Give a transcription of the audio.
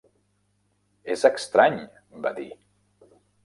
"És estrany!" va dir.